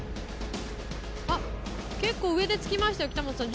あっ結構上でつきましたよ北本さん